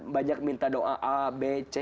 banyak minta doa a b c